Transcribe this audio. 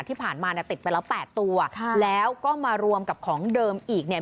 ที่ผ่านมาเนี่ยติดไปแล้ว๘ตัวแล้วก็มารวมกับของเดิมอีกเนี่ย